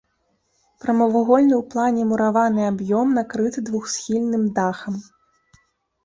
Прамавугольны ў плане мураваны аб'ём накрыты двухсхільным дахам.